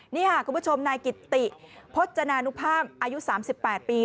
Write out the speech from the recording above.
นี่ค่ะคุณผู้ชมนายกิตติพจนานุภาพอายุ๓๘ปี